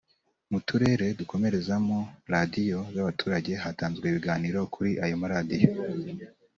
Mu turere dukoreramo Radiyo z’abaturage hatanzwe ibiganiro kuri ayo maradiyo